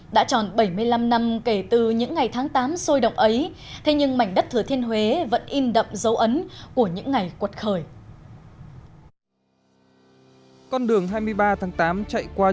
đã tròn bảy mươi năm năm kể từ những ngày tháng tám sôi động ấy